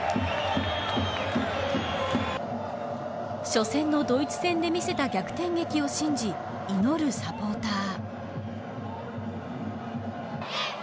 初戦のドイツ戦で見せた逆転劇を信じ祈るサポーター。